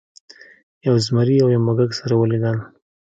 یو زمري او یو موږک سره ولیدل.